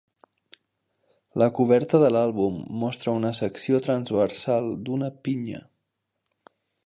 La coberta de l'àlbum mostra una secció transversal d'una pinya.